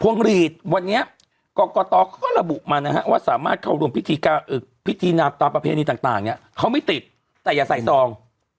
พวงหลีดวันนี้กรกฎอก็ระบุมาว่าสามารถเข้ารวมพิธีนาศาสตร์ประเภทต่างนี่เขาไม่ติดแต่อย่าใส่ซอง